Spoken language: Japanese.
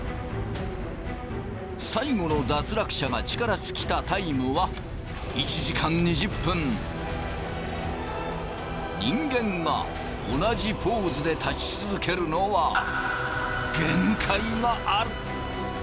最後の脱落者が力尽きたタイムは人間が同じポーズで立ち続けるのは限界がある。